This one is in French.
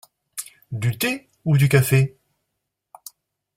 Du thé ou du café ?